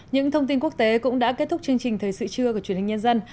những thông tin quốc tế cũng đã kết thúc chương trình thời sự trưa của truyền hình nhân dân